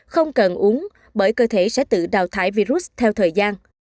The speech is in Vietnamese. không cần uống bởi cơ thể sẽ tự đào thải virus theo thời gian